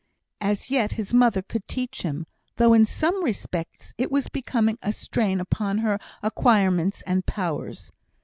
As yet his mother could teach him, though in some respects it was becoming a strain upon her acquirements and powers.